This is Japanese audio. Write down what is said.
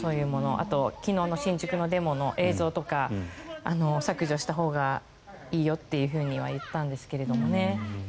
あとは昨日の新宿のデモの映像とか削除したほうがいいよとは言ったんですがね。